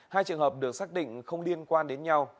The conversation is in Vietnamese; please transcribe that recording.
hai trường hợp được xác định không liên quan đến nhau